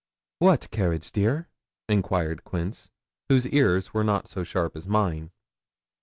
'What carriage, dear?' inquired Quince, whose ears were not so sharp as mine.